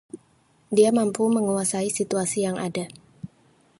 Dia mampu menguasai situasi yang ada.